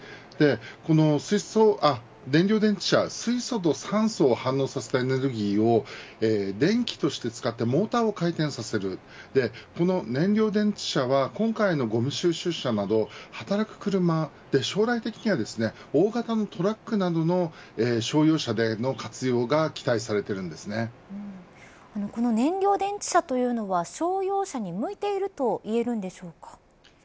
この水素燃料電池車は水素と酸素を反応させたエネルギーを電気として使ってモーターを回転させる燃料電池車は今回のごみ収集車など働く車、将来的には大型のトラックなどの商用車での活用が燃料電池車というのは商用車に向いていると言えるんでしょうか。